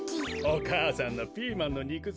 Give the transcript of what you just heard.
お母さんのピーマンのにく